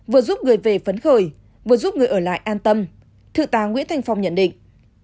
vừa giúp người về phấn khởi vừa giúp người ở lại an tâm thượng tá nguyễn thành phong nhận định